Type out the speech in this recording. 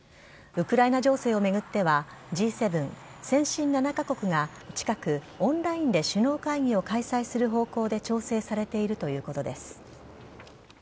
ウクライナ情勢を巡ってはＧ７＝先進７カ国が近くオンラインで首脳会議を開催する方向で調整されているということです。